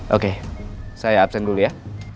oke saya absen dulu ya